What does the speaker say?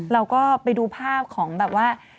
เราก็ไปดูภาพของแบบว่า